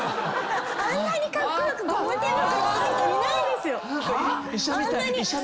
あんなにカッコ良くゴム手袋する人いないですよ！